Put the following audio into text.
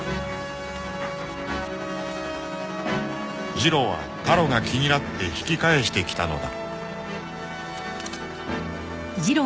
［ジロはタロが気になって引き返してきたのだ］